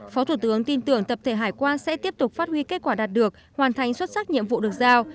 phó thủ tướng tin tưởng tập thể hải quan sẽ tiếp tục phát huy kết quả đạt được hoàn thành xuất sắc nhiệm vụ được giao